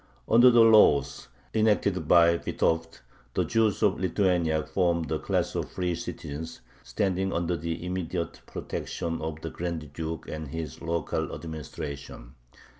Under the laws enacted by Vitovt the Jews of Lithuania formed a class of free citizens, standing under the immediate protection of the Grand Duke and his local administration.